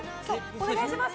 お願いします。